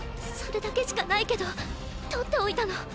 それだけしかないけど取っておいたの。